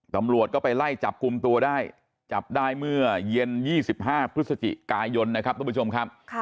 ตำรวจก็ไปไล่จับกลุ่มตัวได้จับได้เมื่อเย็น๒๕พฤศจิกายนนะครับทุกผู้ชมครับ